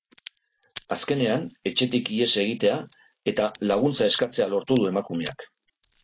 Azkenean, etxetik ihes egitea eta laguntza eskatzea lortu du emakumeak.